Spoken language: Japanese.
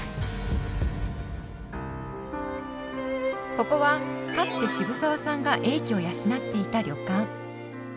ここはかつて渋沢さんが英気を養っていた旅館。